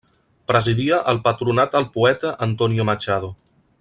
Presidia el patronat el poeta Antonio Machado.